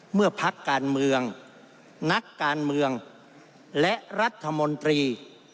พักการเมืองนักการเมืองและรัฐมนตรี